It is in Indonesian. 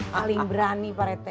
paling berani pak rete